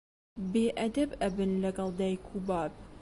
بێ ئەدەب ئەبن لەگەڵ دایک و باب